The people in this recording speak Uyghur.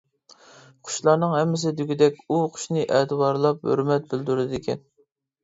قۇشلارنىڭ ھەممىسى دېگۈدەك ئۇ قۇشنى ئەتىۋارلاپ ھۆرمەت بىلدۈرىدىكەن.